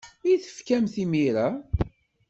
I tfakemt-t imir-a?